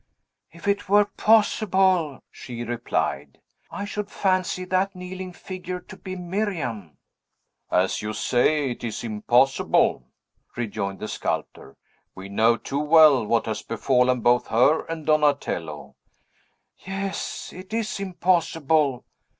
"If it were possible," she replied, "I should fancy that kneeling figure to be Miriam!" "As you say, it is impossible," rejoined the sculptor; "We know too well what has befallen both her and Donatello." "Yes; it is impossible!"